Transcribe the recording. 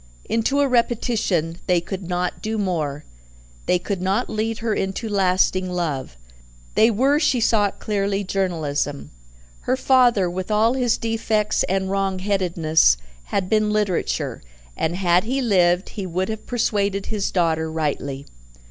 Into a repetition they could not do more; they could not lead her into lasting love. They were she saw it clearly Journalism; her father, with all his defects and wrong headedness, had been Literature, and had he lived, he would have persuaded his daughter rightly.